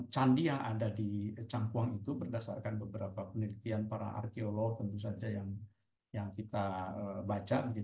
candi yang ada di cangkuang itu berdasarkan beberapa penelitian para arkeolog tentu saja yang kita baca